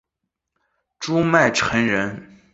朱买臣人。